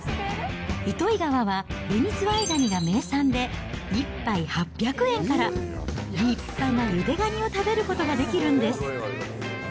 糸魚川はベニズワイガニが名産で、１杯８００円から立派なゆでガニを食べることができるんです。